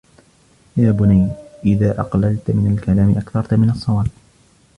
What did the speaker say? يَا بُنَيَّ إذَا أَقْلَلْتَ مِنْ الْكَلَامِ أَكْثَرْتَ مِنْ الصَّوَابِ